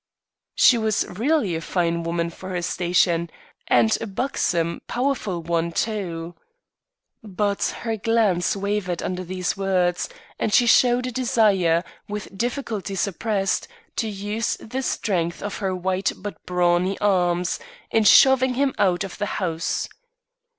She was really a fine woman for her station, and a buxom, powerful one, too. But her glance wavered under these words and she showed a desire, with difficulty suppressed, to use the strength of her white but brawny arms, in shoving him out of the house.